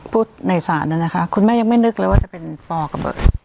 พูดในศาลนะคะคุณแม่ยังไม่นึกเลยว่าจะเป็นปกะเบิก